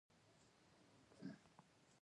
لکه شرنګ نانځکې.